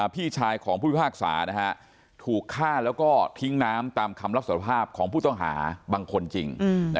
พี่ชายของผู้พิพากษาถูกฆ่าแล้วก็ทิ้งน้ำตามคำรับสารภาพของผู้ต้องหาบางคนจริง